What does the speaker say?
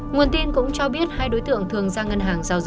nguồn tin cũng cho biết hai đối tượng thường ra ngân hàng